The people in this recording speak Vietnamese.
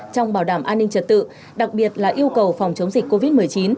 trong bảo đảm an ninh trật tự đặc biệt là yêu cầu phòng chống dịch covid một mươi chín